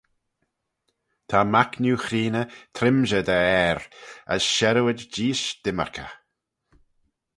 Ta mac neu-chreeney trimshey da e ayr, as sherriuid jeeish dymmyrk eh.